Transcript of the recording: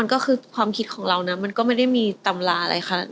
ก็คิดของเรามันก็ไม่ได้มีตำราอะไรค่ะ